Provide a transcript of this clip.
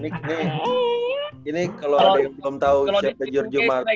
ini ini kalo ada yang belum tau giorgio martin